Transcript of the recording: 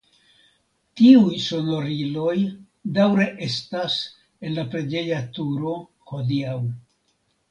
Tiuj sonoriloj daŭre estas en la preĝeja turo hodiaŭ.